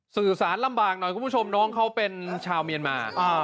สื่อสารลำบากหน่อยคุณผู้ชมน้องเขาเป็นชาวเมียนมา